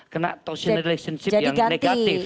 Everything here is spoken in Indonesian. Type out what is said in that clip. kena relationship yang negatif